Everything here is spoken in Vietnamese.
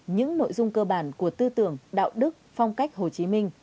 những nội dung cơ bản của tư tưởng đạo đức phong cách hồ chí minh